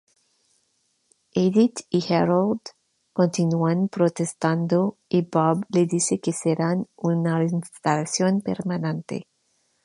Edith y Harold continúan protestando y Bob les dice que serán una instalación permanente.